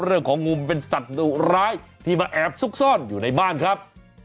เรื่องของมุมเป็นสัตว์ดุร้ายที่มาแอบซุกซ่อนอยู่ในบ้านครับ